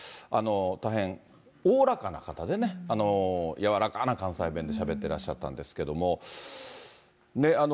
大変おおらかな方でね、柔らかな関西弁でしゃべってらっしゃったんですけど。